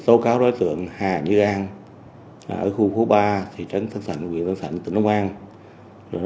tố cáo đối tượng hà như an ở khu khu ba thị trấn thân thạnh quỳ vân thạnh tỉnh long an